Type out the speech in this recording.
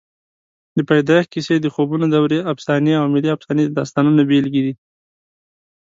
د پیدایښت کیسې، د خوبونو دورې افسانې او ملي افسانې د داستانونو بېلګې دي.